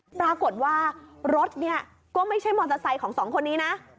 ปรากฏว่ารถเนี่ยก็ไม่ใช่มอเตอร์ไซค์ของสองคนนี้นะ